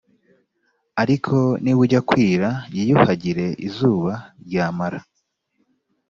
ariko nibujya kwira yiyuhagire izuba ryamara